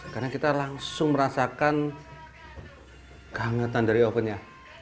karena kita langsung merasakan kehangatan dari ovennya